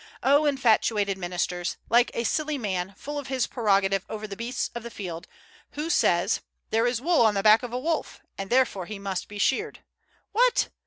O infatuated ministers! Like a silly man, full of his prerogative over the beasts of the field, who says, there is wool on the back of a wolf, and therefore he must be sheared. What!